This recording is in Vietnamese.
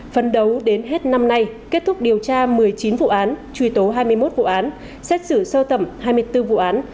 phấn đấu đến hết năm nay kết thúc điều tra một mươi chín vụ án truy tố hai mươi một vụ án xét xử sơ thẩm hai mươi bốn vụ án